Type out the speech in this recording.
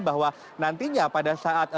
bahwa nantinya pada saat